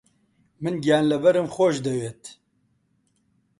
من گیانلەبەرم خۆش دەوێت.